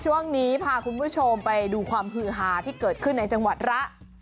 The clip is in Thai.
ช่วงนี้พาคุณผู้ชมไปดูความฮือฮาที่เกิดขึ้นในจังหวัดระ